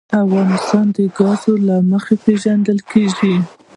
افغانستان د ګاز له مخې پېژندل کېږي.